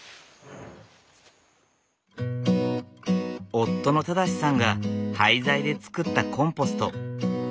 夫の正さんが廃材で作ったコンポスト。